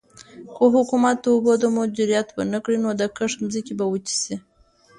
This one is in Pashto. که حکومت د اوبو مدیریت ونکړي نو د کښت ځمکې به وچې شي.